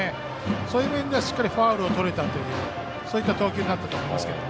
そういう面ではしっかりファウルをとれたというそういった投球になったと思いますけど。